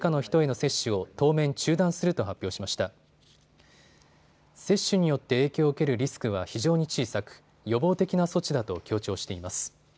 接種によって影響を受けるリスクは非常に小さく、予防的な措置だと強調しています。